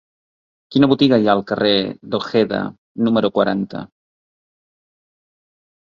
Quina botiga hi ha al carrer d'Ojeda número quaranta?